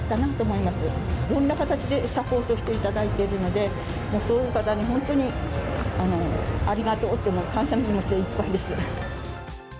いろんな形でサポートしていただいているので、そういう方に本当にありがとうと、感謝の気持ちでいっぱいです。